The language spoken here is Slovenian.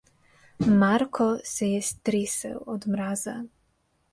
Marko se je stresel od mraza.